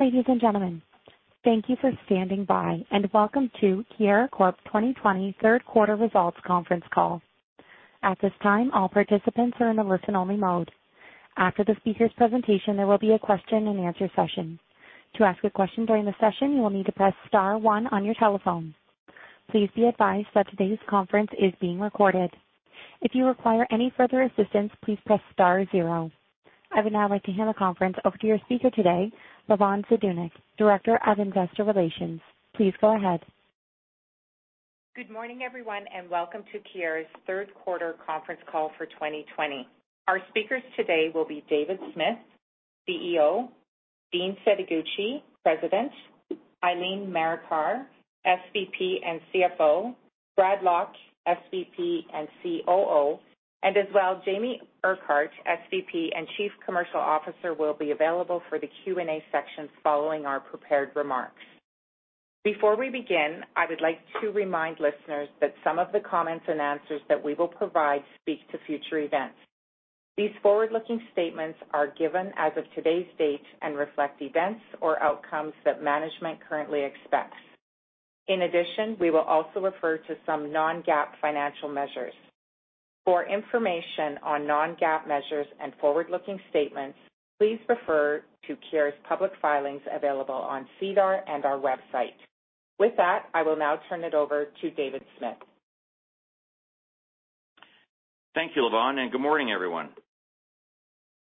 Ladies and gentlemen, thank you for standing by and welcome to Keyera Corp. 2020 Third Quarter Results Conference Call. At this time, all participants are in a listen-only mode. After the speaker's presentation, there will be a question-and-answer session. To ask a question during the session, you will need to press star one on your telephone. Please be advised that today's conference is being recorded. If you require any further assistance, please press star zero. I would now like to hand the conference over to your speaker today, Lavonne Zdunich, Director of Investor Relations. Please go ahead. Good morning, everyone, and welcome to Keyera's third quarter conference call for 2020. Our speakers today will be David Smith, CEO; Dean Setoguchi, President; Eileen Marikar, SVP and CFO; Bradley Lock, SVP and COO, and as well, Jamie Urquhart, SVP and Chief Commercial Officer, will be available for the Q&A section following our prepared remarks. Before we begin, I would like to remind listeners that some of the comments and answers that we will provide speak to future events. These forward-looking statements are given as of today's date and reflect events or outcomes that management currently expects. In addition, we will also refer to some non-GAAP financial measures. For information on non-GAAP measures and forward-looking statements, please refer to Keyera's public filings available on SEDAR and our website. With that, I will now turn it over to David Smith. Thank you, Lavonne. Good morning, everyone.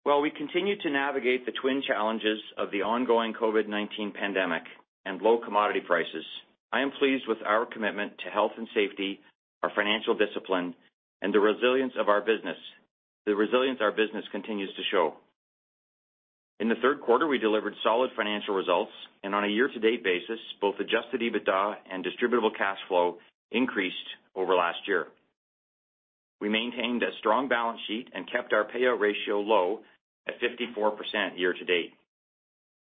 While we continue to navigate the twin challenges of the ongoing COVID-19 pandemic and low commodity prices, I am pleased with our commitment to health and safety, our financial discipline, and the resilience our business continues to show. In the third quarter, we delivered solid financial results, and on a year-to-date basis, both adjusted EBITDA and distributable cash flow increased over last year. We maintained a strong balance sheet and kept our payout ratio low at 54% year-to-date.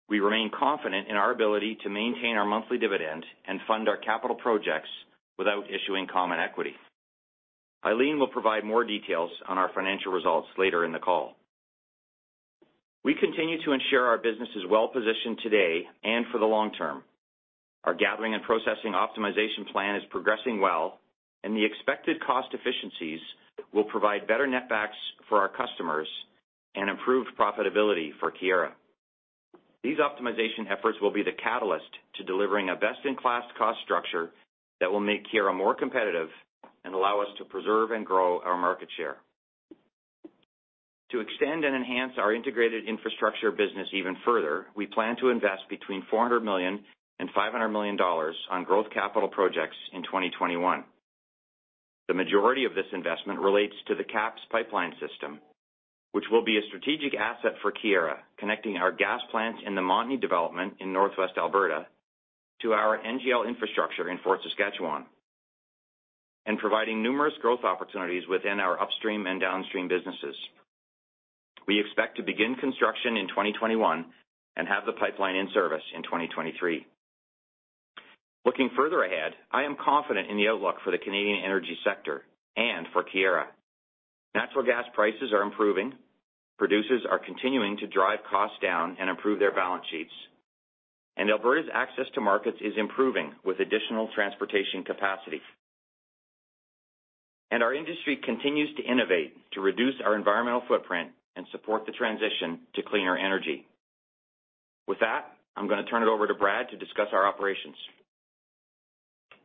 We remain confident in our ability to maintain our monthly dividend and fund our capital projects without issuing common equity. Eileen will provide more details on our financial results later in the call. We continue to ensure our business is well-positioned today and for the long term. Our gathering and processing optimization plan is progressing well, and the expected cost efficiencies will provide better net backs for our customers and improved profitability for Keyera. These optimization efforts will be the catalyst to delivering a best-in-class cost structure that will make Keyera more competitive and allow us to preserve and grow our market share. To extend and enhance our integrated infrastructure business even further, we plan to invest between 400 million and 500 million dollars on growth capital projects in 2021. The majority of this investment relates to the KAPS pipeline system, which will be a strategic asset for Keyera, connecting our gas plant in the Montney development in Northwest Alberta to our NGL infrastructure in Fort Saskatchewan and providing numerous growth opportunities within our upstream and downstream businesses. We expect to begin construction in 2021 and have the pipeline in service in 2023. Looking further ahead, I am confident in the outlook for the Canadian energy sector and for Keyera. Natural gas prices are improving. Producers are continuing to drive costs down and improve their balance sheets. Alberta's access to markets is improving with additional transportation capacity. Our industry continues to innovate to reduce our environmental footprint and support the transition to cleaner energy. With that, I'm going to turn it over to Brad to discuss our operations.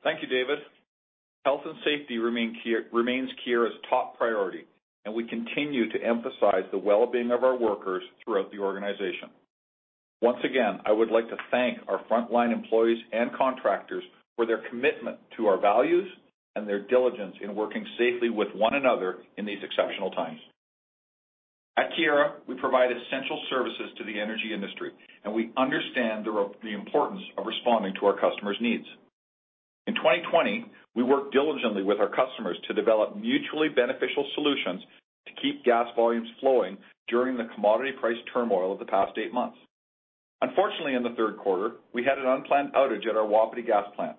Thank you, David. Health and safety remains Keyera's top priority, and we continue to emphasize the well-being of our workers throughout the organization. Once again, I would like to thank our frontline employees and contractors for their commitment to our values and their diligence in working safely with one another in these exceptional times. At Keyera, we provide essential services to the energy industry, and we understand the importance of responding to our customers' needs. In 2020, we worked diligently with our customers to develop mutually beneficial solutions to keep gas volumes flowing during the commodity price turmoil of the past eight months. Unfortunately, in the third quarter, we had an unplanned outage at our Wapiti gas plant.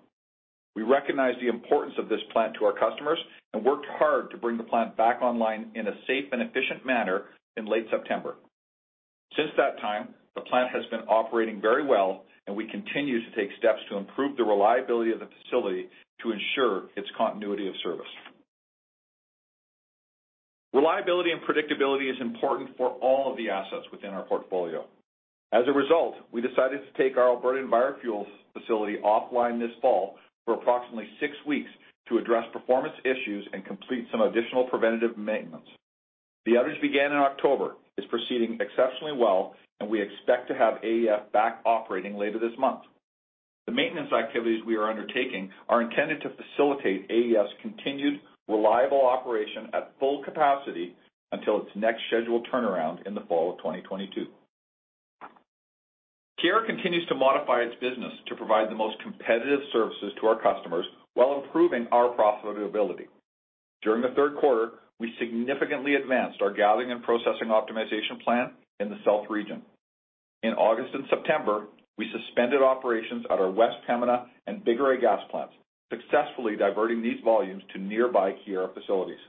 We recognized the importance of this plant to our customers and worked hard to bring the plant back online in a safe and efficient manner in late September. Since that time, the plant has been operating very well, and we continue to take steps to improve the reliability of the facility to ensure its continuity of service. Reliability and predictability is important for all of the assets within our portfolio. As a result, we decided to take our Alberta EnviroFuels facility offline this fall for approximately six weeks to address performance issues and complete some additional preventative maintenance. The outage began in October, is proceeding exceptionally well, and we expect to have AEF back operating later this month. The maintenance activities we are undertaking are intended to facilitate AEF's continued reliable operation at full capacity until its next scheduled turnaround in the fall of 2022. Keyera continues to modify its business to provide the most competitive services to our customers while improving our profitability. During the third quarter, we significantly advanced our gathering and processing optimization plan in the south region. In August and September, we suspended operations at our West Pembina and Bigoray gas plants, successfully diverting these volumes to nearby Keyera facilities.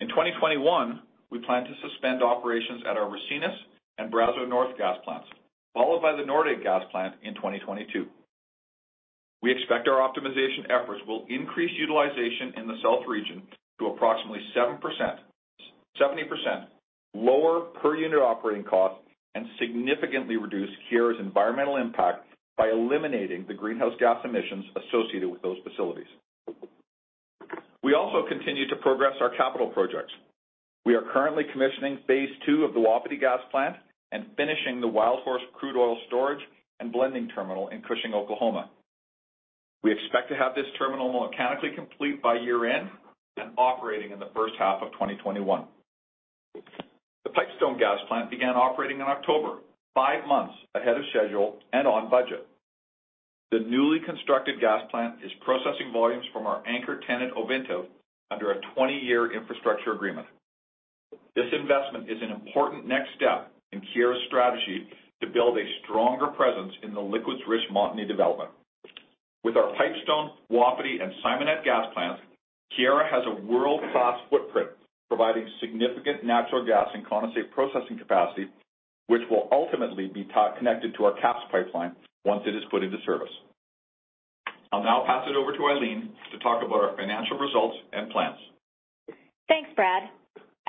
In 2021, we plan to suspend operations at our Ricinus and Brazeau North gas plants, followed by the Nordegg gas plant in 2022. We expect our optimization efforts will increase utilization in the south region to approximately 70%, lower per-unit operating costs, and significantly reduce Keyera's environmental impact by eliminating the greenhouse gas emissions associated with those facilities. We also continue to progress our capital projects. We are currently commissioning phase II of the Wapiti gas plant and finishing the Wildhorse crude oil storage and blending terminal in Cushing, Oklahoma. We expect to have this terminal mechanically complete by year-end and operating in the first half of 2021. The Pipestone gas plant began operating in October, five months ahead of schedule and on budget. The newly constructed gas plant is processing volumes from our anchor tenant, Ovintiv, under a 20-year infrastructure agreement. This investment is an important next step in Keyera's strategy to build a stronger presence in the liquids-rich Montney development. With our Pipestone, Wapiti, and Simonette gas plants, Keyera has a world-class footprint, providing significant natural gas and condensate processing capacity, which will ultimately be connected to our KAPS pipeline once it is put into service. I'll now pass it over to Eileen to talk about our financial results and plans. Thanks, Brad.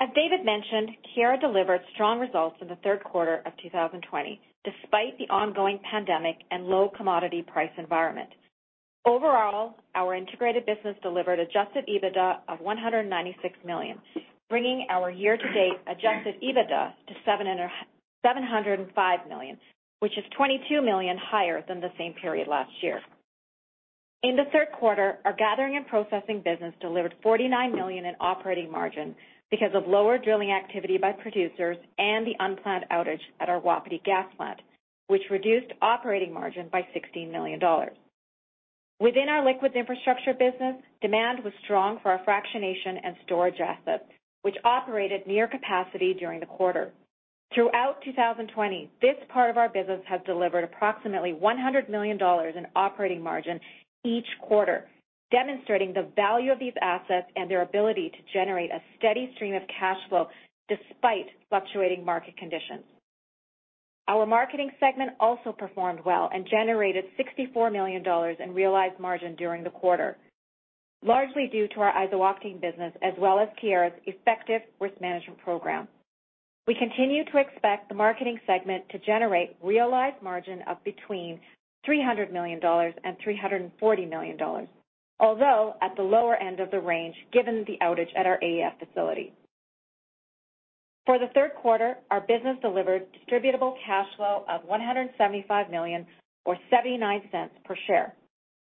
As David mentioned, Keyera delivered strong results in the third quarter of 2020, despite the ongoing pandemic and low commodity price environment. Overall, our integrated business delivered adjusted EBITDA of 196 million, bringing our year-to-date adjusted EBITDA to 705 million, which is 22 million higher than the same period last year. In the third quarter, our gathering and processing business delivered 49 million in operating margin because of lower drilling activity by producers and the unplanned outage at our Wapiti gas plant, which reduced operating margin by 16 million dollars. Within our liquids infrastructure business, demand was strong for our fractionation and storage assets, which operated near capacity during the quarter. Throughout 2020, this part of our business has delivered approximately 100 million dollars in operating margin each quarter, demonstrating the value of these assets and their ability to generate a steady stream of cash flow despite fluctuating market conditions. Our marketing segment also performed well and generated 64 million dollars in realized margin during the quarter, largely due to our iso-octane business as well as Keyera's effective risk management program. We continue to expect the marketing segment to generate realized margin of between 300 million dollars and 340 million dollars. Although at the lower end of the range, given the outage at our AEF facility. For the third quarter, our business delivered distributable cash flow of 175 million or 0.79 per share.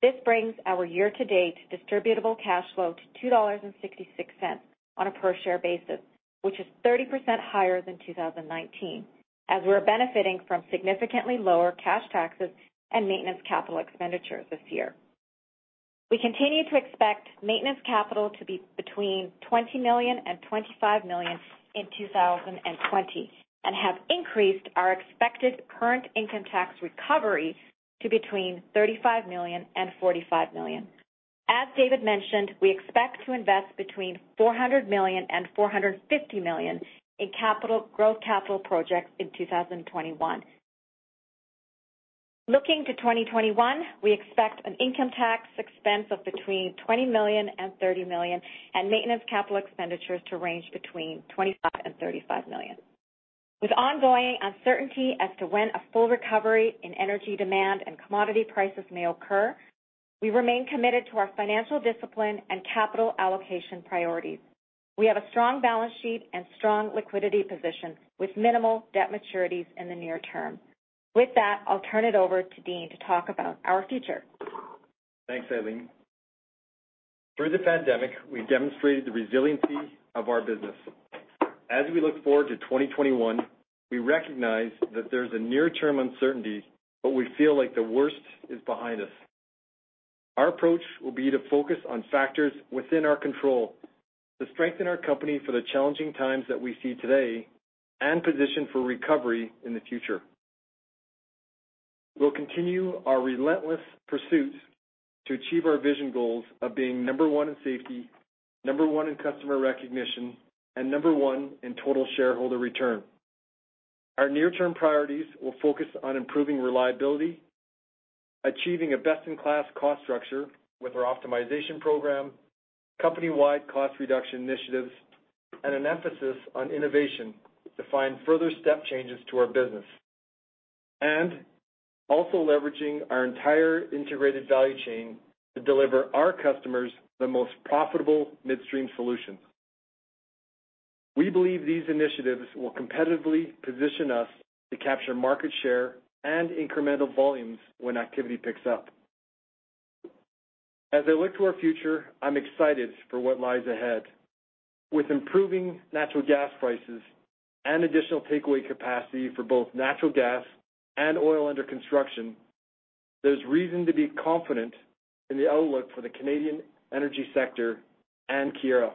This brings our year-to-date distributable cash flow to 2.66 dollars on a per-share basis, which is 30% higher than 2019 as we're benefiting from significantly lower cash taxes and maintenance capital expenditures this year. We continue to expect maintenance capital to be between 20 million and 25 million in 2020 and have increased our expected current income tax recovery to between CAD 35 million and CAD 45 million. As David mentioned, we expect to invest between CAD 400 million and CAD 450 million in growth capital projects in 2021. Looking to 2021, we expect an income tax expense of between 20 million and 30 million and maintenance capital expenditures to range between 25 million and 35 million. With ongoing uncertainty as to when a full recovery in energy demand and commodity prices may occur, we remain committed to our financial discipline and capital allocation priorities. We have a strong balance sheet and strong liquidity position with minimal debt maturities in the near term. With that, I'll turn it over to Dean to talk about our future. Thanks, Eileen. Through the pandemic, we demonstrated the resiliency of our business. As we look forward to 2021, we recognize that there's a near-term uncertainty, but we feel like the worst is behind us. Our approach will be to focus on factors within our control to strengthen our company for the challenging times that we see today and position for recovery in the future. We'll continue our relentless pursuit to achieve our vision goals of being number one in safety, number one in customer recognition, and number one in total shareholder return. Our near-term priorities will focus on improving reliability, achieving a best-in-class cost structure with our optimization program, company-wide cost reduction initiatives, and an emphasis on innovation to find further step changes to our business. Also leveraging our entire integrated value chain to deliver our customers the most profitable midstream solutions. We believe these initiatives will competitively position us to capture market share and incremental volumes when activity picks up. As I look to our future, I'm excited for what lies ahead. With improving natural gas prices and additional takeaway capacity for both natural gas and oil under construction, there's reason to be confident in the outlook for the Canadian energy sector and Keyera.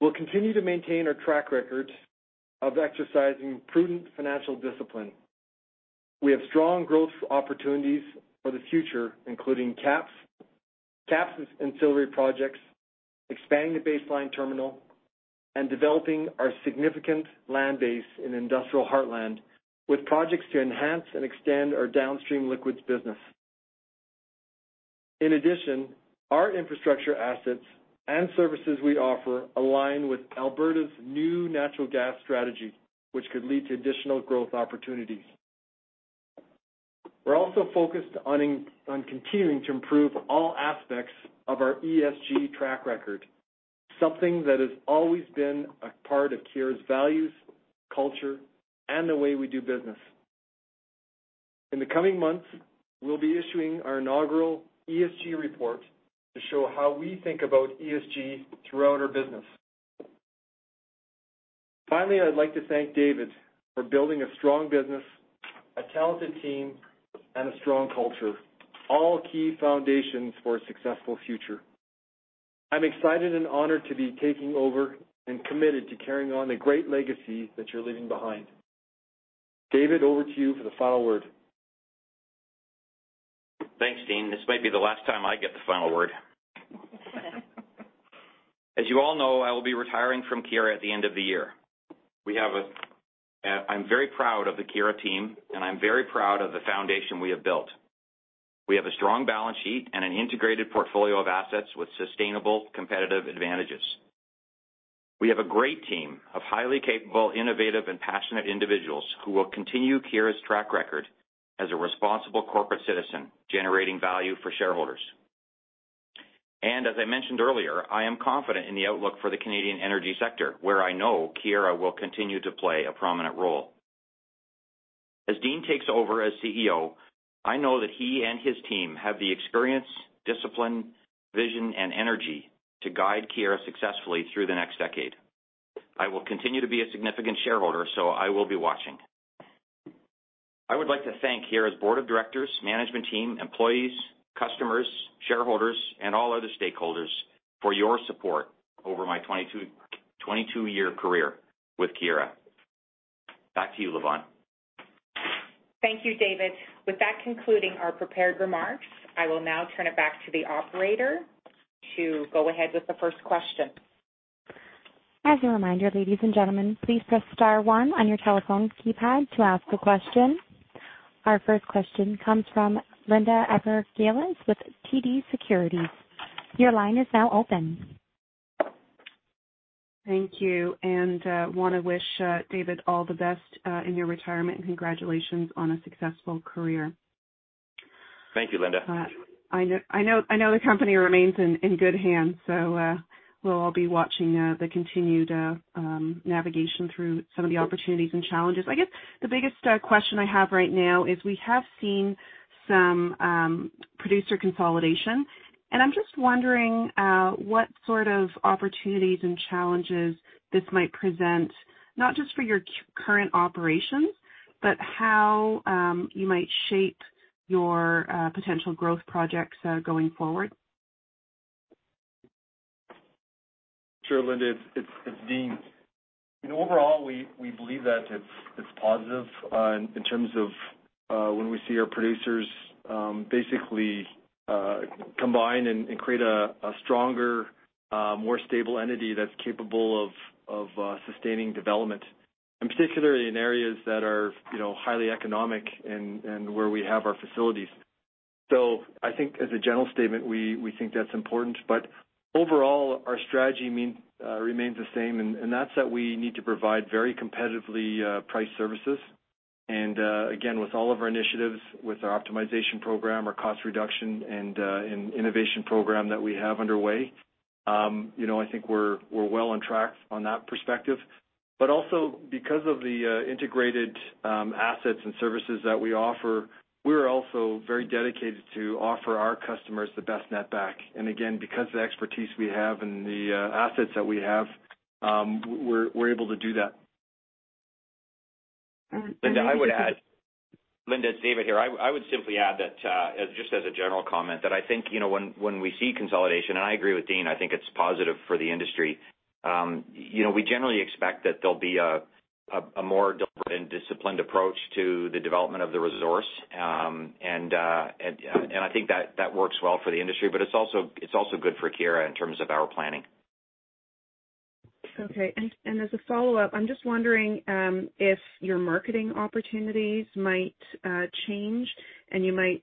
We'll continue to maintain our track record of exercising prudent financial discipline. We have strong growth opportunities for the future, including KAPS ancillary projects, expanding the Base Line Terminal, and developing our significant land base in Industrial Heartland with projects to enhance and extend our downstream liquids business. In addition, our infrastructure assets and services we offer align with Alberta's new natural gas strategy, which could lead to additional growth opportunities. We're also focused on continuing to improve all aspects of our ESG track record, something that has always been a part of Keyera's values, culture, and the way we do business. In the coming months, we'll be issuing our inaugural ESG report to show how we think about ESG throughout our business. I'd like to thank David for building a strong business, a talented team, and a strong culture, all key foundations for a successful future. I'm excited and honored to be taking over and committed to carrying on the great legacy that you're leaving behind. David, over to you for the final word. Thanks, Dean. This might be the last time I get the final word. As you all know, I will be retiring from Keyera at the end of the year. I'm very proud of the Keyera team, and I'm very proud of the foundation we have built. We have a strong balance sheet and an integrated portfolio of assets with sustainable competitive advantages. We have a great team of highly capable, innovative, and passionate individuals who will continue Keyera's track record as a responsible corporate citizen, generating value for shareholders. As I mentioned earlier, I am confident in the outlook for the Canadian energy sector, where I know Keyera will continue to play a prominent role. As Dean takes over as CEO, I know that he and his team have the experience, discipline, vision, and energy to guide Keyera successfully through the next decade. I will continue to be a significant shareholder, so I will be watching. I would like to thank Keyera's board of directors, management team, employees, customers, shareholders, and all other stakeholders for your support over my 22-year career with Keyera. Back to you, Lavonne. Thank you, David. With that concluding our prepared remarks, I will now turn it back to the operator to go ahead with the first question. As a reminder, ladies and gentlemen, please press star one on your telephone keypad to ask a question. Our first question comes from Linda Ezergailis with TD Securities. Your line is now open. Thank you. I want to wish David all the best in your retirement and congratulations on a successful career. Thank you, Linda. I know the company remains in good hands. We'll all be watching the continued navigation through some of the opportunities and challenges. I guess the biggest question I have right now is we have seen some producer consolidation, and I'm just wondering what sort of opportunities and challenges this might present, not just for your current operations, but how you might shape your potential growth projects going forward. Sure, Linda, it's Dean. We believe that it's positive in terms of when we see our producers basically combine and create a stronger, more stable entity that is capable of sustaining development, and particularly in areas that are highly economic and where we have our facilities. I think as a general statement, we think that is important. Overall, our strategy remains the same, and that is that we need to provide very competitively priced services. Again, with all of our initiatives, with our optimization program, our cost reduction, and innovation program that we have underway, I think we are well on track on that perspective. Also because of the integrated assets and services that we offer, we are also very dedicated to offer our customers the best net back. Again, because of the expertise we have and the assets that we have, we are able to do that. Linda, it's David here. I would simply add that, just as a general comment, that I think when we see consolidation, and I agree with Dean, I think it's positive for the industry. We generally expect that there'll be a more deliberate and disciplined approach to the development of the resource, and I think that works well for the industry, but it's also good for Keyera in terms of our planning. Okay. As a follow-up, I'm just wondering if your marketing opportunities might change and you might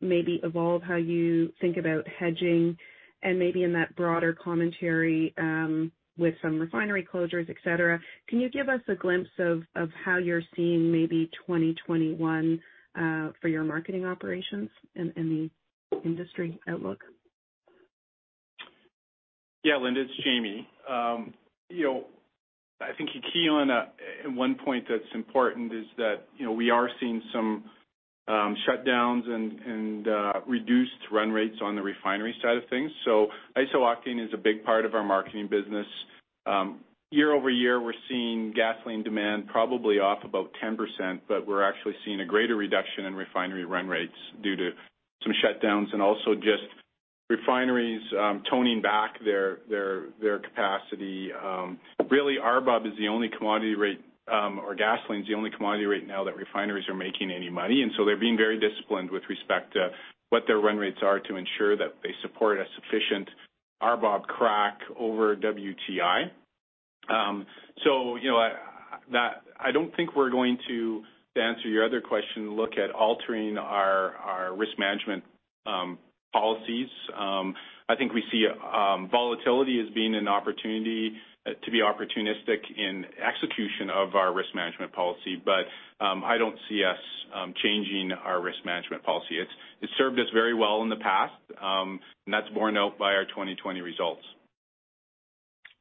maybe evolve how you think about hedging and maybe in that broader commentary with some refinery closures, et cetera. Can you give us a glimpse of how you're seeing maybe 2021 for your marketing operations and the industry outlook? Yeah, Linda, it's Jamie. I think key and one point that's important is that we are seeing some shutdowns and reduced run rates on the refinery side of things. Iso-octane is a big part of our marketing business. Year-over-year, we're seeing gasoline demand probably off about 10%, we're actually seeing a greater reduction in refinery run rates due to some shutdowns and also Refineries toning back their capacity. Really, RBOB is the only commodity rate, or gasoline is the only commodity rate now that refineries are making any money. They're being very disciplined with respect to what their run rates are to ensure that they support a sufficient RBOB crack over WTI. I don't think we're going to answer your other question, look at altering our risk management policies. I think we see volatility as being an opportunity to be opportunistic in execution of our risk management policy. I don't see us changing our risk management policy. It's served us very well in the past, and that's borne out by our 2020 results.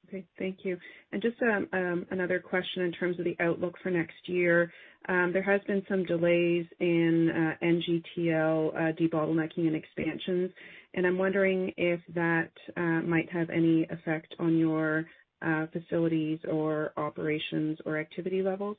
Okay. Thank you. Just another question in terms of the outlook for next year. There has been some delays in NGTL debottlenecking and expansions, and I'm wondering if that might have any effect on your facilities or operations or activity levels.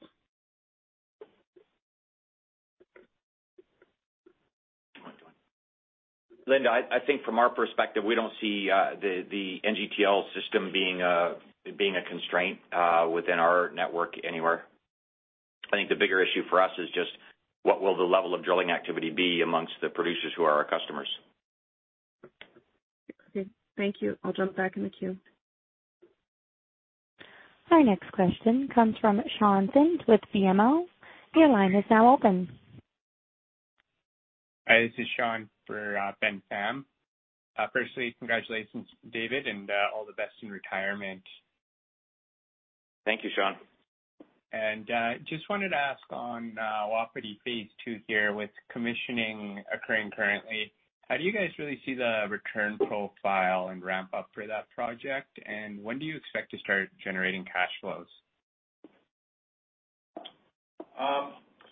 Linda, I think from our perspective, we don't see the NGTL system being a constraint within our network anywhere. I think the bigger issue for us is just what will the level of drilling activity be amongst the producers who are our customers. Okay. Thank you. I'll jump back in the queue. Our next question comes from [Sean Sind] with BMO. Your line is now open. Hi, this is Sean for Ben Pham. Congratulations, David, and all the best in retirement. Thank you, Sean. Just wanted to ask on Wapiti phase II here, with commissioning occurring currently, how do you guys really see the return profile and ramp up for that project? When do you expect to start generating cash flows?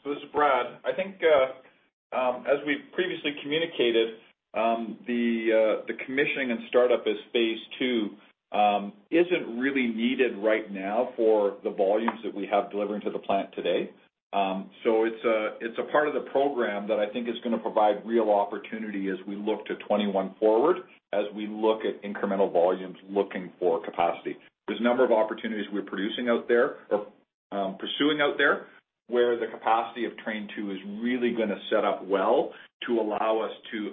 This is Brad. I think, as we've previously communicated, the commissioning and startup at phase II isn't really needed right now for the volumes that we have delivering to the plant today. It's a part of the program that I think is going to provide real opportunity as we look to 2021 forward, as we look at incremental volumes, looking for capacity. There's a number of opportunities we're producing out there or pursuing out there, where the capacity of Train 2 is really going to set up well to allow us to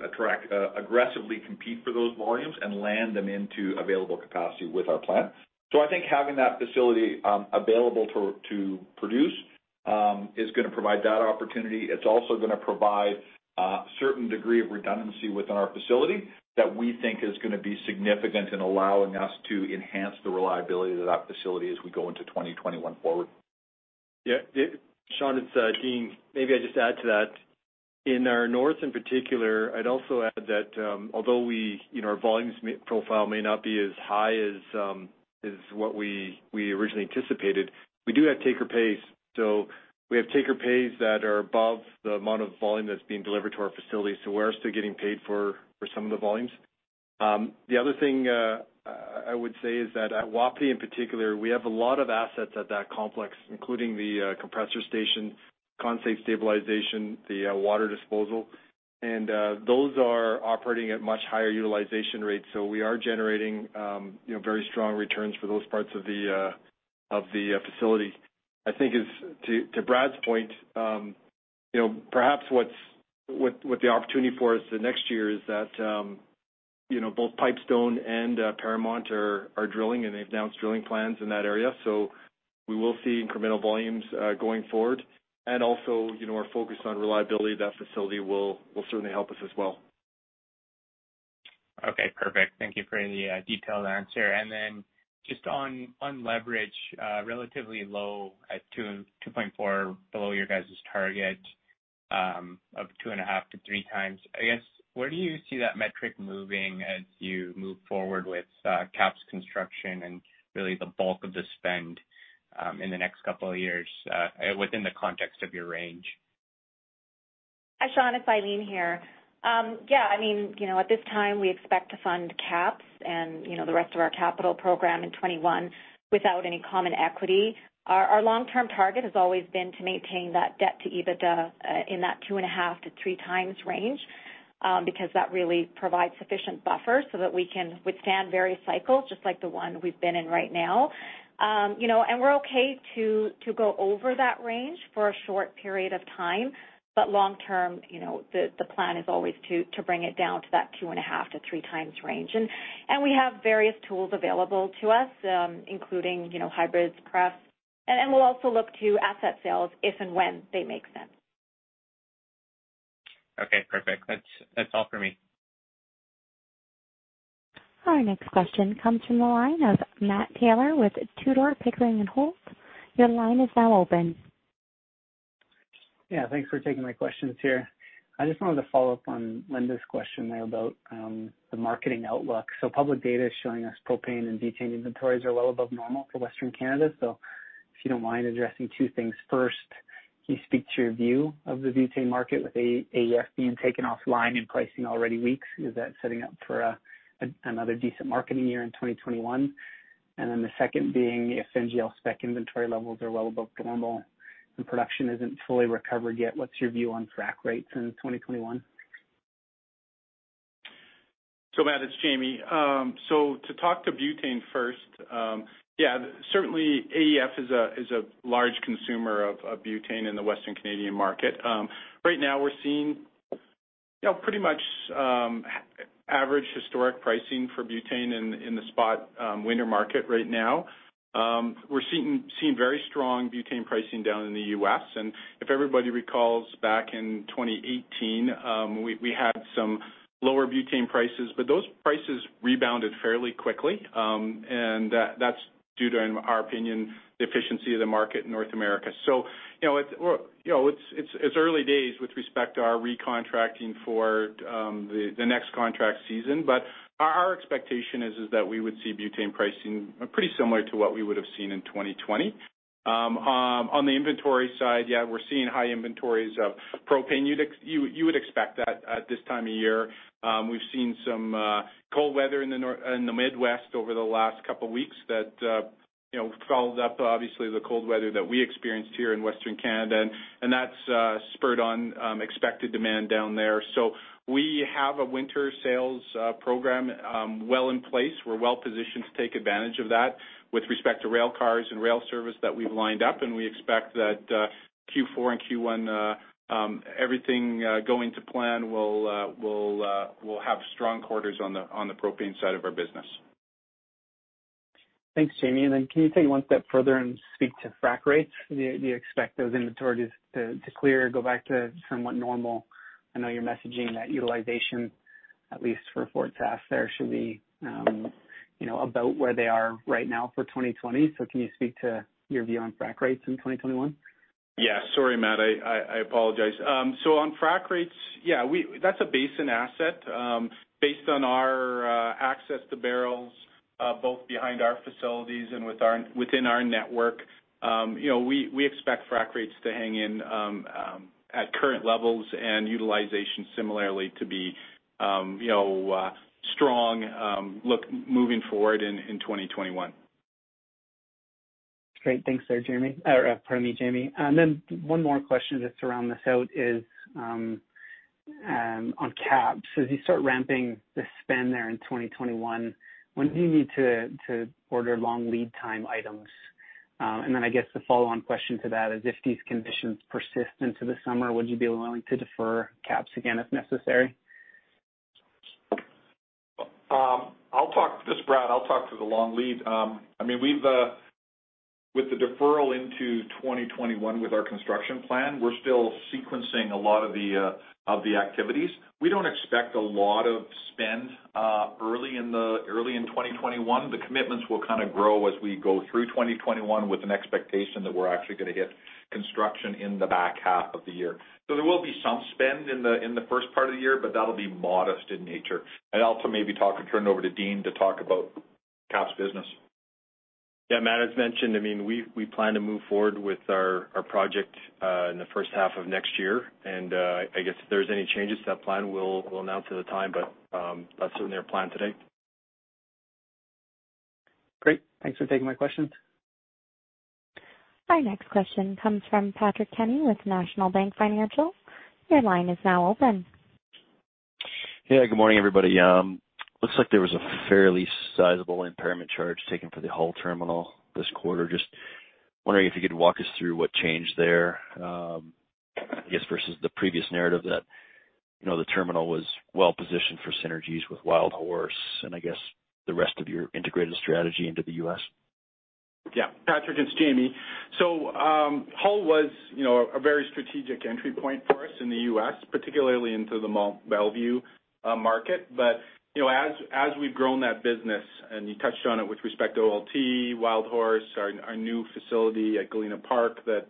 aggressively compete for those volumes and land them into available capacity with our plant. I think having that facility available to produce is going to provide that opportunity. It's also going to provide a certain degree of redundancy within our facility that we think is going to be significant in allowing us to enhance the reliability of that facility as we go into 2021 forward. Yeah. Sean, it's Dean. Maybe I just add to that. In our north, in particular, I'd also add that, although our volumes profile may not be as high as what we originally anticipated, we do have take-or-pays. We have take-or-pays that are above the amount of volume that's being delivered to our facilities, we're still getting paid for some of the volumes. The other thing I would say is that at Wapiti in particular, we have a lot of assets at that complex, including the compressor station, condensate stabilization, the water disposal, and those are operating at much higher utilization rates. We are generating very strong returns for those parts of the facility. I think to Brad's point, perhaps what the opportunity for us the next year is that both Pipestone and Paramount are drilling, they've announced drilling plans in that area, so we will see incremental volumes going forward. Also, our focus on reliability of that facility will certainly help us as well. Okay, perfect. Thank you for the detailed answer. Just on leverage, relatively low at 2.4, below your guys' target of 2.5x-3x. I guess, where do you see that metric moving as you move forward with KAPS construction and really the bulk of the spend in the next couple of years within the context of your range? Hi, Sean, it's Eileen here. At this time, we expect to fund KAPS and the rest of our capital program in 2021 without any common equity. Our long-term target has always been to maintain that debt to EBITDA in that 2.5x-3x range, because that really provides sufficient buffer so that we can withstand various cycles, just like the one we've been in right now. We're okay to go over that range for a short period of time. Long-term, the plan is always to bring it down to that 2.5x-3x range. We have various tools available to us, including hybrids, pref, and we'll also look to asset sales if and when they make sense. Okay, perfect. That's all for me. Our next question comes from the line of Matt Taylor with Tudor, Pickering and Holt. Your line is now open. Yeah. Thanks for taking my questions here. I just wanted to follow up on Linda's question there about the marketing outlook. Public data is showing us propane and butane inventories are well above normal for Western Canada. If you don't mind addressing two things. First, can you speak to your view of the butane market with AEF being taken offline and pricing already weak? Is that setting up for another decent marketing year in 2021? The second being, if NGL spec inventory levels are well above normal Production isn't fully recovered yet. What's your view on frac rates in 2021? Matt, it's Jamie. To talk to butane first, certainly AEF is a large consumer of butane in the western Canadian market. Right now, we're seeing pretty much average historic pricing for butane in the spot winter market right now. We're seeing very strong butane pricing down in the U.S. If everybody recalls back in 2018, we had some lower butane prices, but those prices rebounded fairly quickly, and that's due to, in our opinion, the efficiency of the market in North America. It's early days with respect to our recontracting for the next contract season, but our expectation is that we would see butane pricing pretty similar to what we would have seen in 2020. On the inventory side, we're seeing high inventories of propane. You would expect that at this time of year. We've seen some cold weather in the Midwest over the last couple of weeks that followed up, obviously, the cold weather that we experienced here in Western Canada. That's spurred on expected demand down there. We have a winter sales program well in place. We're well-positioned to take advantage of that with respect to rail cars and rail service that we've lined up. We expect that Q4 and Q1, everything going to plan, we'll have strong quarters on the propane side of our business. Thanks, Jamie, can you take it one step further and speak to frac rates? Do you expect those inventories to clear or go back to somewhat normal? I know you're messaging that utilization, at least for Fort Sask there, should be about where they are right now for 2020. Can you speak to your view on frac rates in 2021? Sorry, Matt, I apologize. On frac rates, that's a basin asset. Based on our access to barrels, both behind our facilities and within our network, we expect frac rates to hang in at current levels and utilization similarly to be strong moving forward in 2021. Great. Thanks there, Jamie. Then one more question just to round this out is on KAPS. As you start ramping the spend there in 2021, when do you need to order long lead time items? Then I guess the follow-on question to that is if these conditions persist into the summer, would you be willing to defer KAPS again if necessary? This is Brad. I'll talk to the long lead. With the deferral into 2021 with our construction plan, we're still sequencing a lot of the activities. We don't expect a lot of spend early in 2021. The commitments will grow as we go through 2021 with an expectation that we're actually going to hit construction in the back half of the year. There will be some spend in the first part of the year, but that'll be modest in nature. I'll also maybe turn it over to Dean to talk about KAPS business. Yeah, Matt, as mentioned, we plan to move forward with our project in the first half of next year, and I guess if there's any changes to that plan, we'll announce at the time, but that's certainly our plan today. Great. Thanks for taking my questions. Our next question comes from Patrick Kenny with National Bank Financial. Your line is now open. Hey, good morning, everybody. Looks like there was a fairly sizable impairment charge taken for the Hull terminal this quarter. Just wondering if you could walk us through what changed there, I guess versus the previous narrative that the terminal was well-positioned for synergies with Wildhorse and I guess the rest of your integrated strategy into the U.S. Patrick, it's Jamie. Hull was a very strategic entry point for us in the U.S., particularly into the Belvieu market. As we've grown that business, and you touched on it with respect to OLT, Wildhorse, our new facility at Galena Park that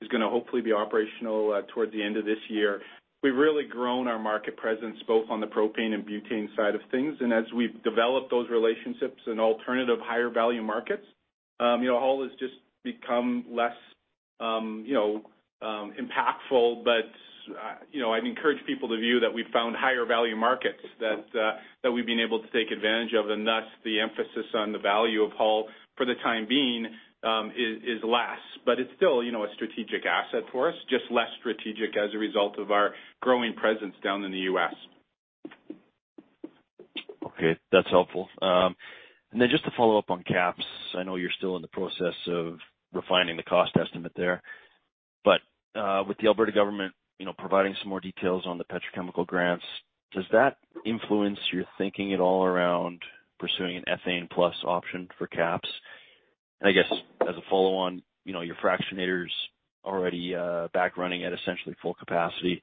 is going to hopefully be operational towards the end of this year, we've really grown our market presence both on the propane and butane side of things. As we've developed those relationships in alternative higher value markets, Hull has just become less impactful. I'd encourage people to view that we've found higher value markets that we've been able to take advantage of, and thus the emphasis on the value of Hull for the time being is less. It's still a strategic asset for us, just less strategic as a result of our growing presence down in the U.S. Okay. That's helpful. Just to follow up on KAPS, I know you're still in the process of refining the cost estimate there, with the Alberta government providing some more details on the petrochemical grants, does that influence your thinking at all around pursuing an ethane plus option for KAPS? I guess as a follow-on, your fractionator's already back running at essentially full capacity.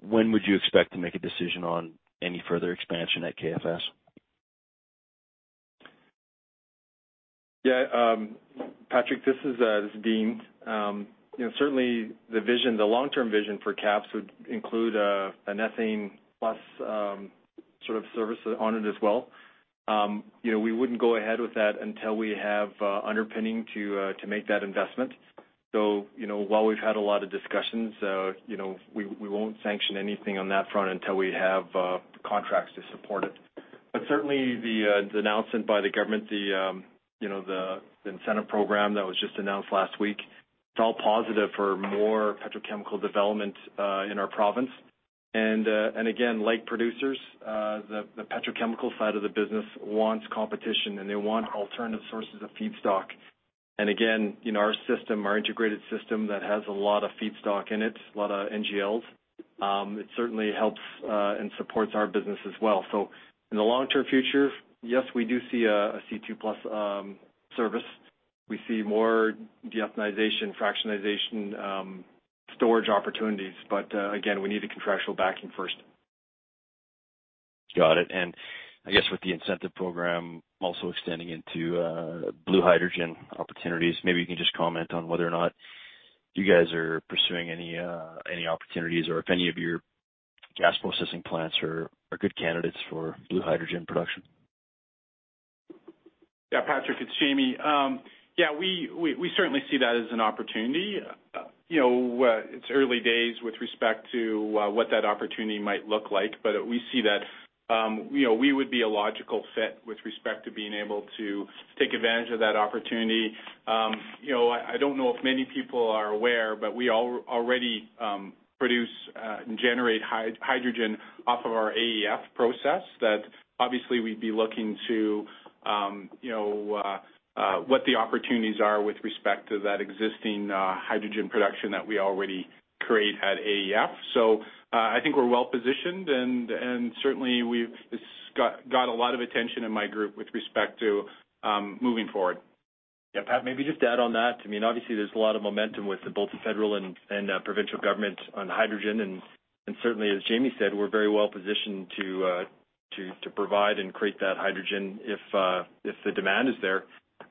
When would you expect to make a decision on any further expansion at KFS? Patrick, this is Dean. Certainly the long-term vision for KAPS would include an ethane plus sort of service on it as well. We wouldn't go ahead with that until we have underpinning to make that investment. While we've had a lot of discussions, we won't sanction anything on that front until we have contracts to support it. Certainly the announcement by the government, the incentive program that was just announced last week, it's all positive for more petrochemical development in our province. Again, like producers, the petrochemical side of the business wants competition, and they want alternative sources of feedstock. Again, our integrated system that has a lot of feedstock in it, a lot of NGLs, it certainly helps and supports our business as well. In the long-term future, yes, we do see a C2+ service. We see more de-ethanization, fractionization storage opportunities, but again, we need the contractual backing first. Got it. I guess with the incentive program also extending into blue hydrogen opportunities, maybe you can just comment on whether or not you guys are pursuing any opportunities or if any of your gas processing plants are good candidates for blue hydrogen production? Yeah, Patrick, it's Jamie. Yeah, we certainly see that as an opportunity. It's early days with respect to what that opportunity might look like, but we see that we would be a logical fit with respect to being able to take advantage of that opportunity. I don't know if many people are aware, but we already produce and generate hydrogen off of our AEF process that obviously we'd be looking to what the opportunities are with respect to that existing hydrogen production that we already create at AEF. I think we're well-positioned, and certainly it's got a lot of attention in my group with respect to moving forward. Yeah, Pat, maybe just to add on that, obviously there's a lot of momentum with both the federal and provincial government on hydrogen, and certainly, as Jamie said, we're very well-positioned to provide and create that hydrogen if the demand is there.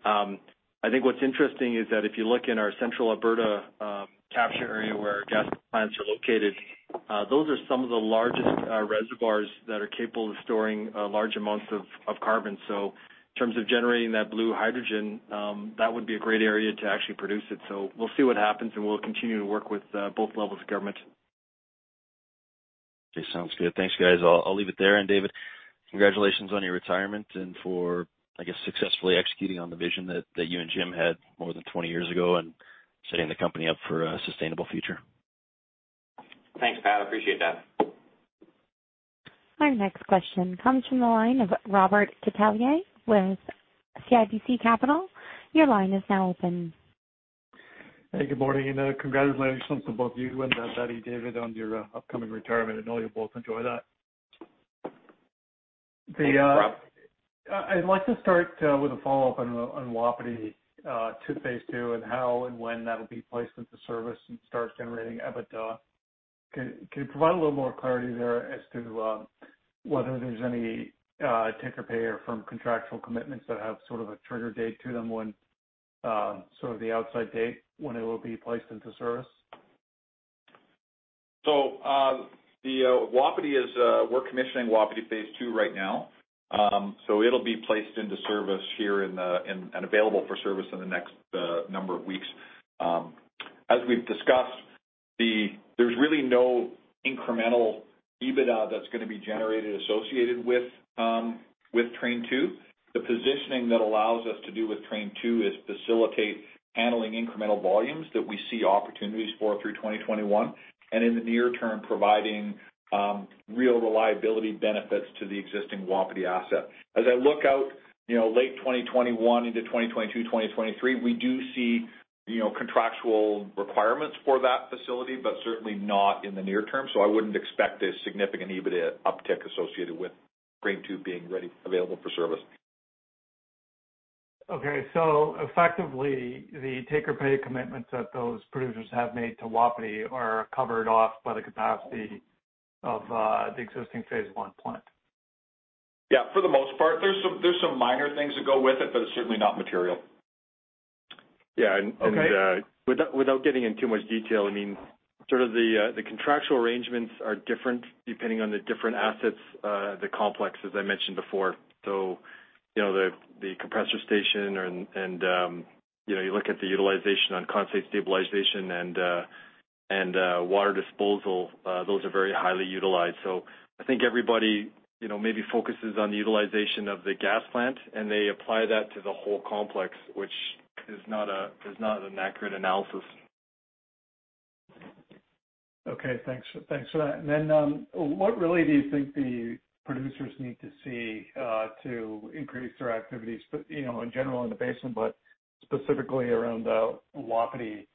I think what's interesting is that if you look in our central Alberta capture area where our gas plants are located, those are some of the largest reservoirs that are capable of storing large amounts of carbon. In terms of generating that blue hydrogen, that would be a great area to actually produce it. We'll see what happens, and we'll continue to work with both levels of government. Okay, sounds good. Thanks, guys. I'll leave it there. David, congratulations on your retirement and for, I guess, successfully executing on the vision that you and Jim had more than 20 years ago and setting the company up for a sustainable future. Thanks, Pat. Appreciate that. Our next question comes from the line of Robert Catellier with CIBC Capital. Your line is now open. Good morning, congratulations to both you and Dean, David on your upcoming retirement. I know you'll both enjoy that. Thanks, Rob. I'd like to start with a follow-up on Wapiti to phase II and how and when that'll be placed into service and start generating EBITDA. Can you provide a little more clarity there as to whether there's any take-or-pay or firm contractual commitments that have sort of a trigger date to them sort of the outside date when it will be placed into service? We're commissioning Wapiti phase II right now. It'll be placed into service here and available for service in the next number of weeks. As we've discussed, there's really no incremental EBITDA that's going to be generated associated with Train 2. The positioning that allows us to do with Train 2 is facilitate handling incremental volumes that we see opportunities for through 2021, and in the near term, providing real reliability benefits to the existing Wapiti asset. As I look out late 2021 into 2022, 2023, we do see contractual requirements for that facility, but certainly not in the near term. I wouldn't expect a significant EBITDA uptick associated with Train 2 being ready, available for service. Okay, effectively, the take-or-pay commitments that those producers have made to Wapiti are covered off by the capacity of the existing phase I plant. Yeah, for the most part. There're some minor things that go with it, but it's certainly not material. Yeah. Okay. Without getting in too much detail, sort of the contractual arrangements are different depending on the different assets, the complex, as I mentioned before. The compressor station and you look at the utilization on condensate stabilization and water disposal, those are very highly utilized. I think everybody maybe focuses on the utilization of the gas plant, and they apply that to the whole complex, which is not an accurate analysis. Okay, thanks for that. What really do you think the producers need to see to increase their activities, in general in the basin, but specifically around Wapiti?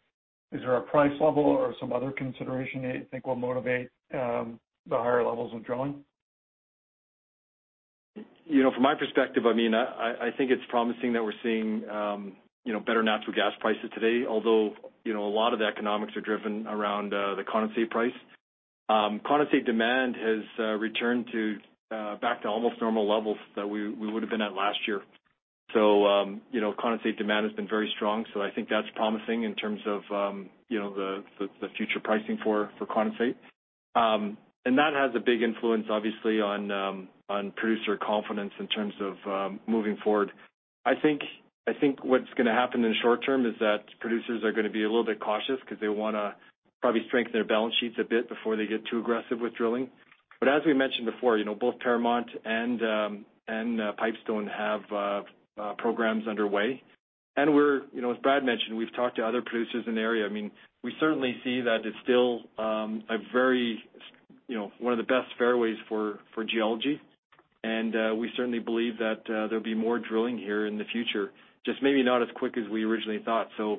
Is there a price level or some other consideration that you think will motivate the higher levels of drilling? From my perspective, I think it's promising that we're seeing better natural gas prices today, although a lot of the economics are driven around the condensate price. Condensate demand has returned back to almost normal levels that we would've been at last year. Condensate demand has been very strong. I think that's promising in terms of the future pricing for condensate. That has a big influence, obviously, on producer confidence in terms of moving forward. I think what's going to happen in the short term is that producers are going to be a little bit cautious because they want to probably strengthen their balance sheets a bit before they get too aggressive with drilling. As we mentioned before, both Paramount and Pipestone have programs underway. As Brad mentioned, we've talked to other producers in the area. We certainly see that it's still one of the best fairways for geology, and we certainly believe that there'll be more drilling here in the future, just maybe not as quick as we originally thought. We'll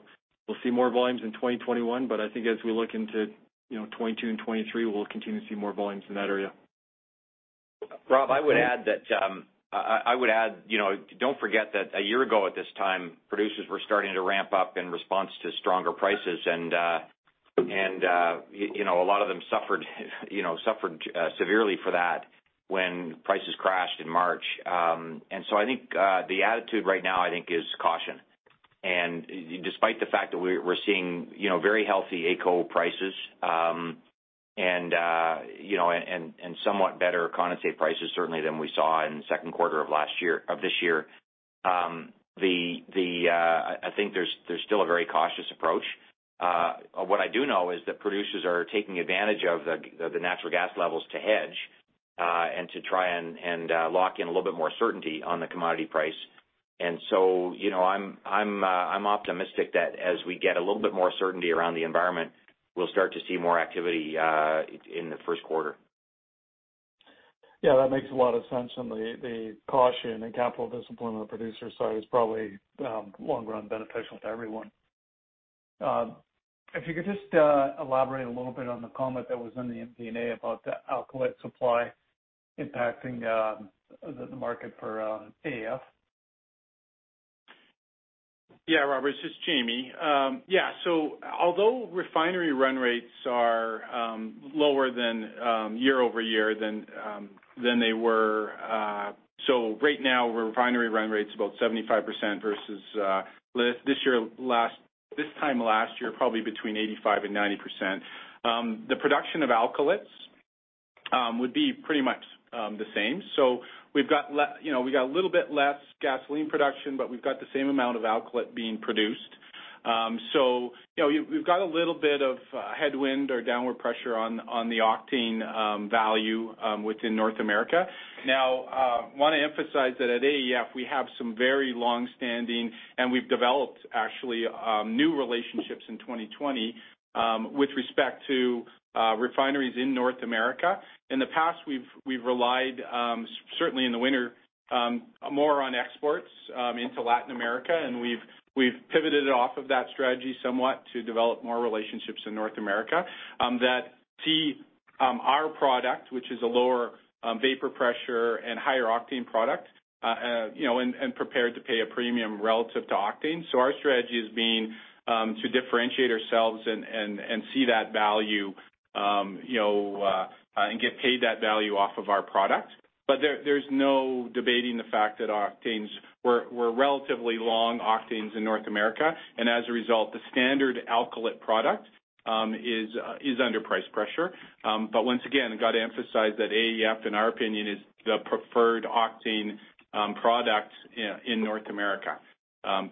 see more volumes in 2021, but I think as we look into 2022 and 2023, we'll continue to see more volumes in that area. Rob, I would add, don't forget that a year ago at this time, producers were starting to ramp up in response to stronger prices, and a lot of them suffered severely for that when prices crashed in March. I think the attitude right now is caution. Despite the fact that we're seeing very healthy AECO prices, and somewhat better condensate prices certainly than we saw in the second quarter of this year, I think there's still a very cautious approach. What I do know is that producers are taking advantage of the natural gas levels to hedge, and to try and lock in a little bit more certainty on the commodity price. I'm optimistic that as we get a little bit more certainty around the environment, we'll start to see more activity in the first quarter. Yeah, that makes a lot of sense on the caution and capital discipline on the producer side is probably long-run beneficial to everyone. If you could just elaborate a little bit on the comment that was in the MD&A about the alkylate supply impacting the market for AEF. Yeah, Robert, this is Jamie. Although refinery run rates are lower than year-over-year. Right now, refinery run rate's about 75% versus this time last year, probably between 85% and 90%. The production of alkylates would be pretty much the same. We've got a little bit less gasoline production, but we've got the same amount of alkylate being produced. We've got a little bit of headwind or downward pressure on the octane value within North America. Want to emphasize that at AEF, we have some very longstanding, and we've developed actually, new relationships in 2020 with respect to refineries in North America. In the past, we've relied, certainly in the winter, more on exports into Latin America, and we've pivoted off of that strategy somewhat to develop more relationships in North America that see our product, which is a lower vapor pressure and higher octane product, and prepared to pay a premium relative to octane. Our strategy has been to differentiate ourselves and see that value, and get paid that value off of our product. There's no debating the fact that octanes were relatively long octanes in North America. As a result, the standard alkylate product is under price pressure. Once again, I've got to emphasize that AEF, in our opinion, is the preferred octane product in North America,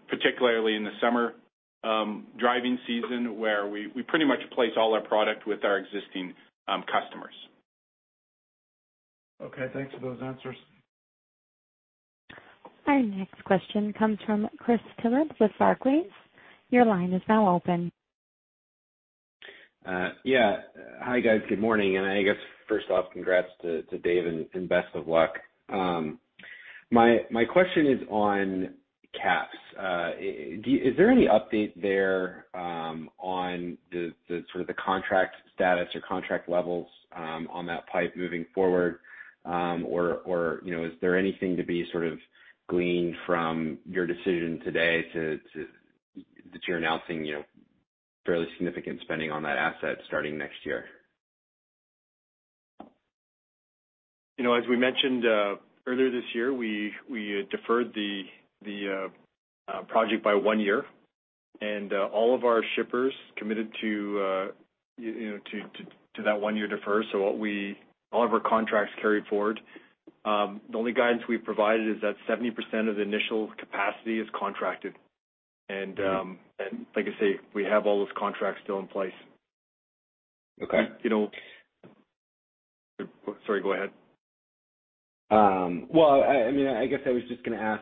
particularly in the summer driving season where we pretty much place all our product with our existing customers. Okay, thanks for those answers. Our next question comes from Chris Tillett with Barclays. Your line is now open. Hi, guys. Good morning, and I guess first off, congrats to David, and best of luck. My question is on KAPS. Is there any update there on the sort of the contract status or contract levels on that pipe moving forward? Is there anything to be sort of gleaned from your decision today that you're announcing fairly significant spending on that asset starting next year? As we mentioned earlier this year, we deferred the project by one year, and all of our shippers committed to that one-year defer. All of our contracts carry forward. The only guidance we've provided is that 70% of the initial capacity is contracted. Like I say, we have all those contracts still in place. Okay. Sorry, go ahead. Well, I guess I was just going to ask,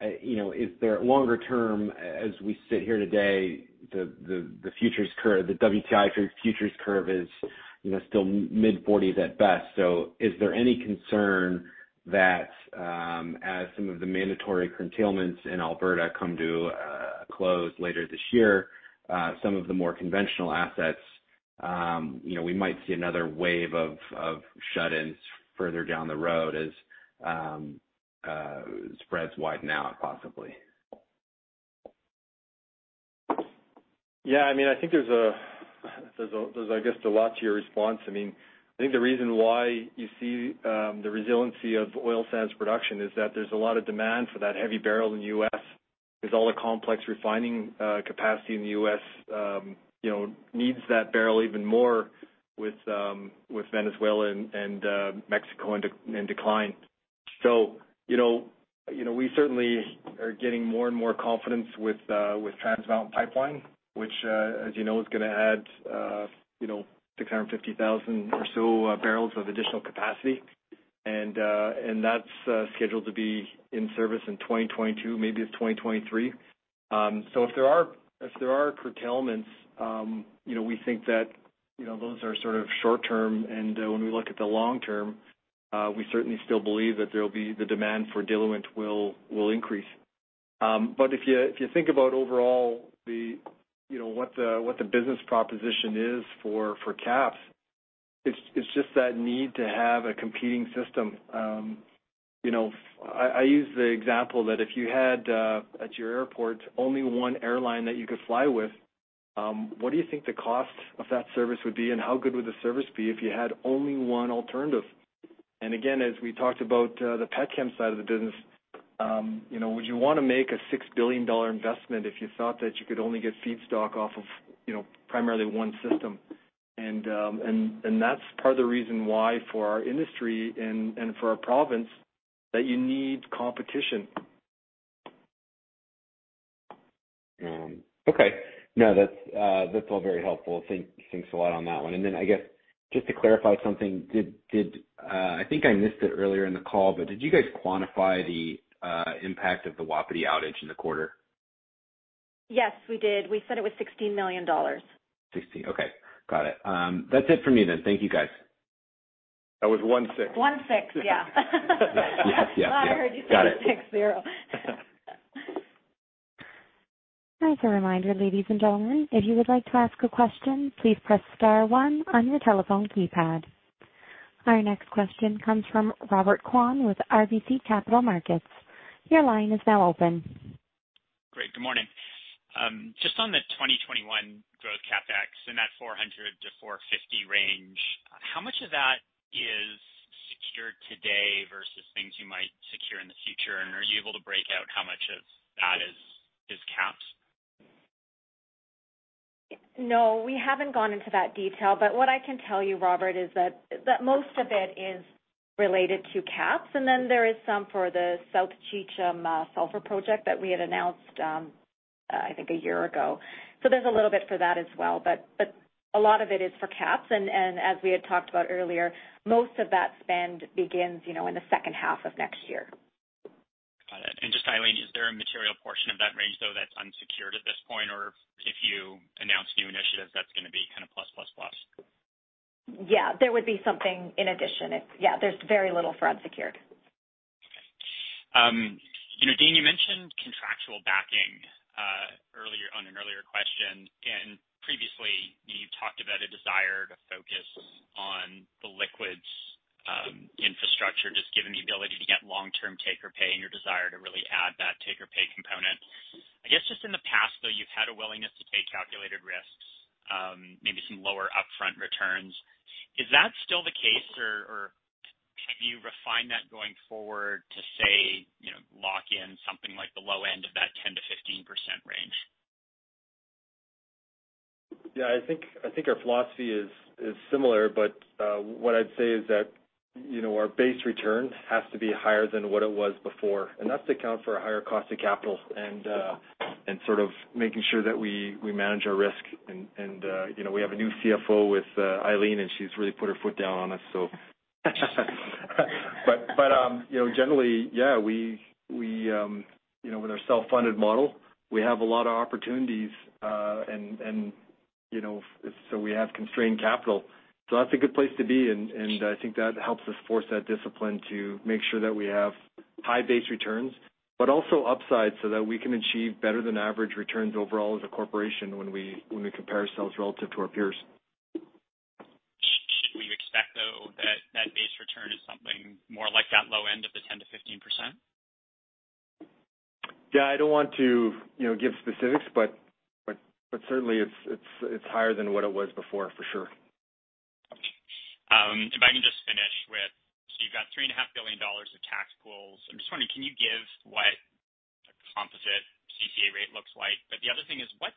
is there longer term as we sit here today, the WTI futures curve is still mid-40s at best. Is there any concern that as some of the mandatory curtailments in Alberta come to a close later this year, some of the more conventional assets, we might see another wave of shut-ins further down the road as spreads widen out possibly? Yeah, I think there's, I guess, a lot to your response. I think the reason why you see the resiliency of oil sands production is that there's a lot of demand for that heavy barrel in the U.S. because all the complex refining capacity in the U.S. needs that barrel even more with Venezuela and Mexico in decline. We certainly are getting more and more confidence with Trans Mountain pipeline, which, as you know, is going to add 650,000 or so barrels of additional capacity. That's scheduled to be in service in 2022, maybe it's 2023. If there are curtailments, we think that those are short-term, and when we look at the long term, we certainly still believe that the demand for diluent will increase. If you think about overall what the business proposition is for KAPS, it's just that need to have a competing system. I use the example that if you had, at your airport, only one airline that you could fly with, what do you think the cost of that service would be? How good would the service be if you had only one alternative? Again, as we talked about the pet chem side of the business, would you want to make a 6 billion dollar investment if you thought that you could only get feedstock off of primarily one system? That's part of the reason why, for our industry and for our province, that you need competition. Okay. No, that's all very helpful. Thanks a lot on that one. I guess, just to clarify something, I think I missed it earlier in the call, but did you guys quantify the impact of the Wapiti outage in the quarter? Yes, we did. We said it was 16 million dollars. 16. Okay. Got it. That's it for me then. Thank you, guys. That was one six. 16, yeah. Yes. Got it. I thought I heard you say six zero. As a reminder, ladies and gentlemen, if you would like to ask a question, please press star one on your telephone keypad. Our next question comes from Robert Kwan with RBC Capital Markets. Your line is now open. Great. Good morning. Just on the 2021 growth CapEx, in that 400-450 range, how much of that is secured today versus things you might secure in the future? Are you able to break out how much of that is capped? No, we haven't gone into that detail. What I can tell you, Robert, is that most of it is related to KAPS. There is some for the South Cheecham Sulphur Project that we had announced, I think, a year ago. There's a little bit for that as well, but a lot of it is for KAPS. As we had talked about earlier, most of that spend begins in the second half of next year. Got it. Just, Eileen, is there a material portion of that range, though, that's unsecured at this point? Or if you announce new initiatives, that's going to be plus, plus? Yeah, there would be something in addition, yeah, there's very little for unsecured. Okay. Dean, you mentioned contractual backing on an earlier question. Previously, you talked about a desire to focus on the liquids infrastructure, just given the ability to get long-term take or pay and your desire to really add that take or pay component. I guess, just in the past, though, you've had a willingness to take calculated risks, maybe some lower upfront returns. Is that still the case, or have you refined that going forward to, say, lock in something like the low end of that 10%-15% range? Yeah, I think our philosophy is similar. What I'd say is that our base return has to be higher than what it was before, and that's to account for a higher cost of capital and making sure that we manage our risk. We have a new CFO with Eileen, and she's really put her foot down on us, so. Generally, yeah, with our self-funded model, we have a lot of opportunities, and so we have constrained capital. That's a good place to be, and I think that helps us force that discipline to make sure that we have high base returns, but also upsides so that we can achieve better than average returns overall as a corporation when we compare ourselves relative to our peers. Should we expect, though, that that base return is something more like that low end of the 10%-15%? Yeah, I don't want to give specifics, but certainly it's higher than what it was before, for sure. Okay. If I can just finish with, you've got 3.5 billion dollars of tax pools. I'm just wondering, can you give what a composite CCA rate looks like? The other thing is, what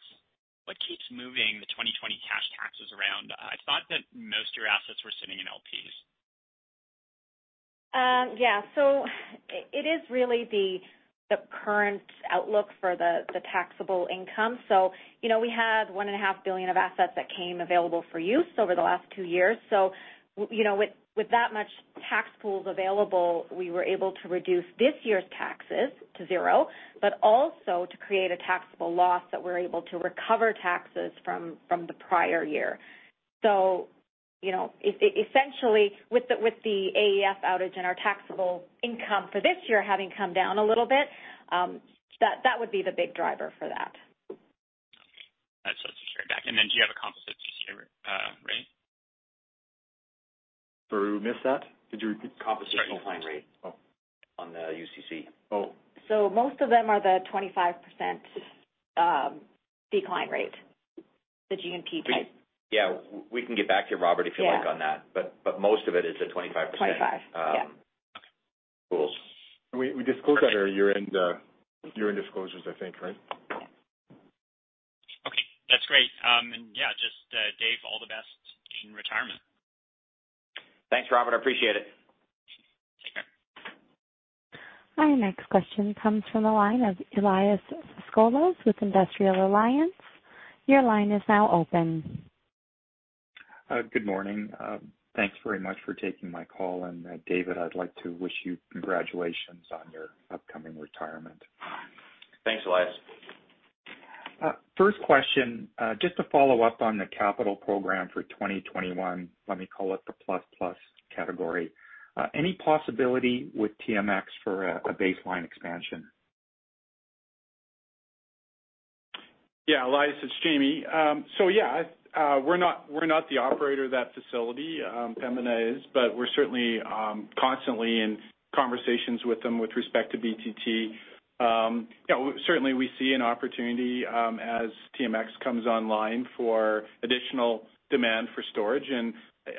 keeps moving the 2020 cash taxes around? I thought that most of your assets were sitting in LPs. It is really the current outlook for the taxable income. We had 1.5 billion of assets that came available for use over the last two years. With that much tax pools available, we were able to reduce this year's taxes to zero but also to create a taxable loss that we're able to recover taxes from the prior year. Essentially, with the AEF outage and our taxable income for this year having come down a little bit, that would be the big driver for that. Okay. That's what's back. Do you have a composite CCA rate? Who missed that? Could you repeat the question? Composite decline rate on the UCC. Oh. Most of them are the 25%. Decline rate. The G&P type. Yeah. We can get back to you, Robert, if you like, on that. Yeah. Most of it is the 25%. 25, yeah. Okay, cool. We disclose that in our year-end disclosures, I think, right? Yeah. Okay, that's great. Yeah, just, Dave, all the best in retirement. Thanks, Robert. I appreciate it. Take care. Our next question comes from the line of Elias Foscolos with Industrial Alliance. Your line is now open. Good morning. Thanks very much for taking my call. David, I'd like to wish you congratulations on your upcoming retirement. Thanks, Elias. First question, just to follow up on the capital program for 2021, let me call it the plus plus category. Any possibility with TMX for a baseline expansion? Yeah, Elias, it's Jamie. Yeah. We're not the operator of that facility, Pembina is. We're certainly constantly in conversations with them with respect to BTT. Certainly, we see an opportunity as TMX comes online for additional demand for storage.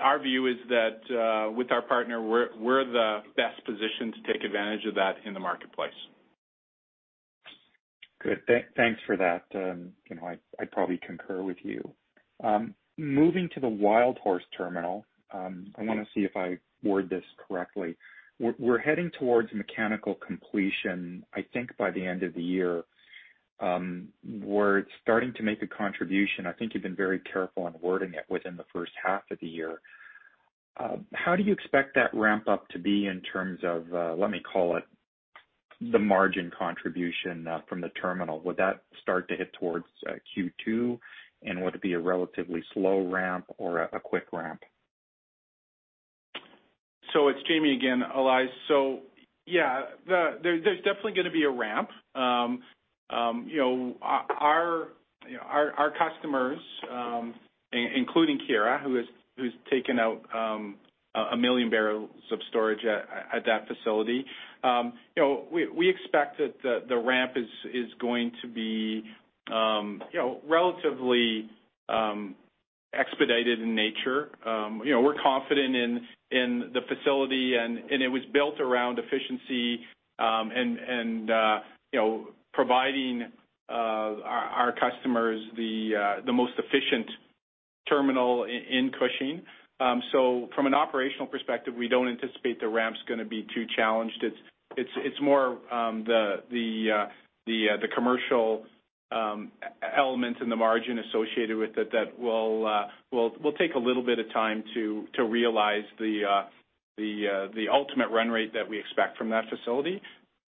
Our view is that, with our partner, we're the best positioned to take advantage of that in the marketplace. Good. Thanks for that. I probably concur with you. Moving to the Wildhorse Terminal, I want to see if I word this correctly. We're heading towards mechanical completion, I think, by the end of the year, where it's starting to make a contribution, I think you've been very careful in wording it, within the first half of the year. How do you expect that ramp up to be in terms of, let me call it, the margin contribution from the terminal? Would that start to hit towards Q2, and would it be a relatively slow ramp or a quick ramp? It's Jamie again, Elias. There's definitely going to be a ramp. Our customers, including Keyera, who's taken out a million barrels of storage at that facility. We expect that the ramp is going to be relatively expedited in nature. We're confident in the facility, and it was built around efficiency and providing our customers the most efficient terminal in Cushing. From an operational perspective, we don't anticipate the ramp's going to be too challenged. It's more the commercial elements in the margin associated with it that will take a little bit of time to realize the ultimate run rate that we expect from that facility.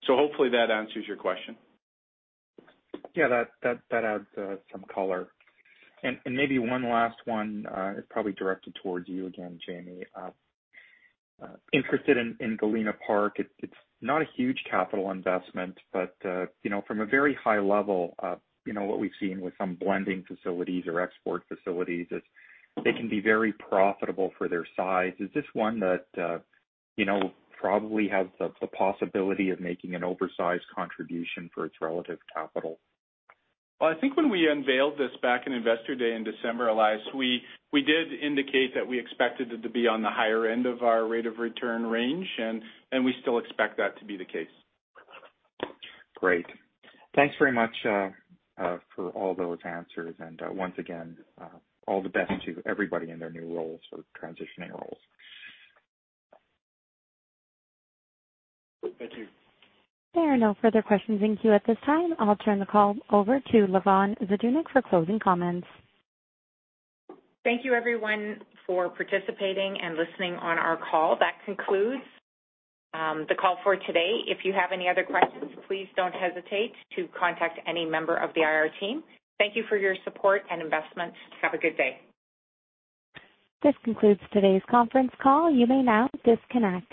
Hopefully that answers your question. Yeah, that adds some color. Maybe one last one, probably directed towards you again, Jamie. Interested in Galena Park. It's not a huge capital investment, but from a very high level, what we've seen with some blending facilities or export facilities is they can be very profitable for their size. Is this one that probably has the possibility of making an oversized contribution for its relative capital? Well, I think when we unveiled this back in Investor Day in December, Elias, we did indicate that we expected it to be on the higher end of our rate of return range, and we still expect that to be the case. Great. Thanks very much for all those answers. Once again, all the best to everybody in their new roles or transitioning roles. Thank you. There are no further questions in queue at this time. I'll turn the call over to Lavonne Zdunich for closing comments. Thank you, everyone, for participating and listening on our call. That concludes the call for today. If you have any other questions, please don't hesitate to contact any member of the IR team. Thank you for your support and investment. Have a good day. This concludes today's conference call. You may now disconnect.